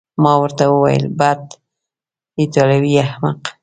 ما ورته وویل: بد، ایټالوی احمق.